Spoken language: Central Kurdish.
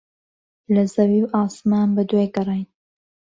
لە زەوی و ئاسمان بەدوای گەڕاین.